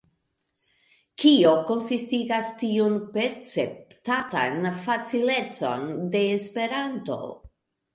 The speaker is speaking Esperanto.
Kio konsistigas tiun perceptatan facilecon de Esperanto?